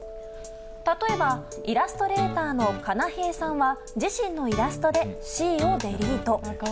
例えば、イラストレーターのカナヘイさんは自身のイラストで「Ｃ」をデリート。